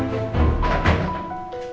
tentang pak mbak